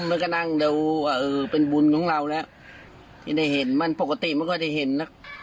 มันก็นั่งดูว่าเออเป็นบุญของเราแล้วที่ได้เห็นมันปกติมันก็ได้เห็นนะ